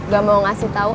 gak mau ngasih tau